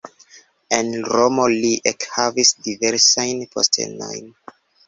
En Romo li ekhavis diversajn postenojn.